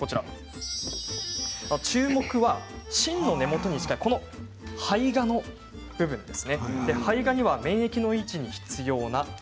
注目は芯の根元に近い胚芽の部分です。